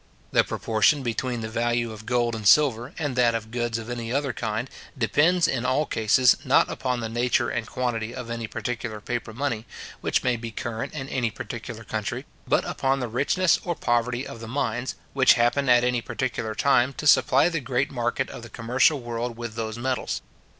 The proportion between the value of gold and silver and that of goods of any other kind, depends in all cases, not upon the nature and quantity of any particular paper money, which may be current in any particular country, but upon the richness or poverty of the mines, which happen at any particular time to supply the great market of the commercial world with those metals.